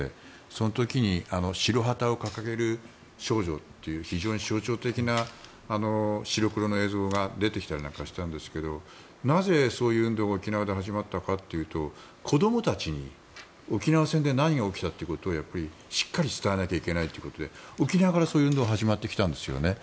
その時に白旗を掲げる少女という非常に象徴的な白黒の映像が出てきたりなんかしたんですがなぜそういう運動が沖縄で始まったかというと子供たちに沖縄戦で何が起きたということをしっかり伝えなきゃいけないということで沖縄からそういう運動が始まってきたんですよね。